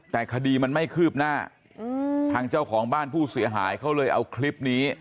แต่คดีมันไม่คืบหน้าทางเจ้าของบ้านผู้เสียหายเขาเลยเอาคลิปนี้